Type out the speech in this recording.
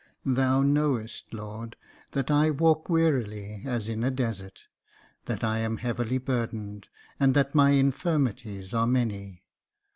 Thou knowest. Lord, that I walk wearily, as in a desert, that I am heavily burdened, and that my infirmities are many.